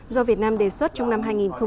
do việt nam đề xuất trong năm hai nghìn hai mươi